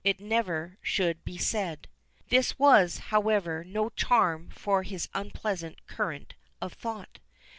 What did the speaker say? It never should be said. This was, however, no charm for his unpleasant current of thought.